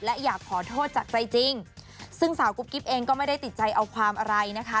และอยากขอโทษจากใจจริงซึ่งสาวกุ๊กกิ๊บเองก็ไม่ได้ติดใจเอาความอะไรนะคะ